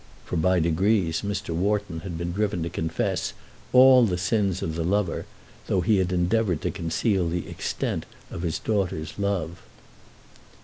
For by degrees Mr. Wharton had been driven to confess all the sins of the lover, though he had endeavoured to conceal the extent of his daughter's love.